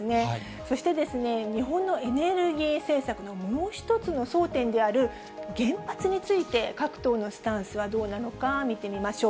そして日本のエネルギー政策のもう一つの争点である、原発について、各党のスタンスはどうなのか見てみましょう。